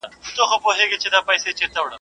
د پيشي چي لا نفس تنگ سي د زمري جنگ کوي.